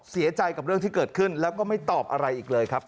เสียใจกับเรื่องที่เกิดขึ้นแล้วก็ไม่ตอบอะไรอีกเลยครับ